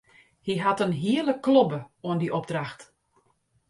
Hy hat in hiele klobbe oan dy opdracht.